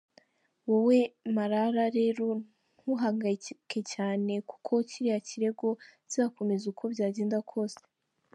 Wowe Marara rero ntuhangayike cyane kuko kiriya kirego kizakomeza uko byagenda kose.